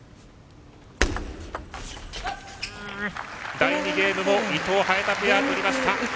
第２ゲームも伊藤、早田取りました。